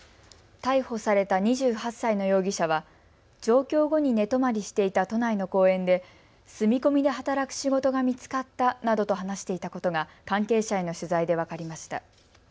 逮捕された２８歳の容疑者は上京後に寝泊まりしていた都内の公園で住み込みで働く仕事が見つかったなどと話していたことが関係者への取材で分かりました。